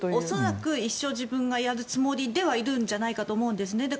恐らく一生自分がやるつもりではいるんじゃないかと思うんですね。